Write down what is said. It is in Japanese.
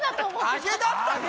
あげだったの？